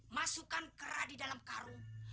masukkan kera di dalam karung